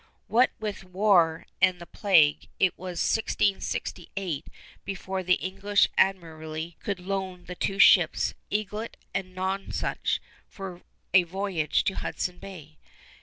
What with war and the plague, it was 1668 before the English Admiralty could loan the two ships Eaglet and Nonsuch for a voyage to Hudson Bay.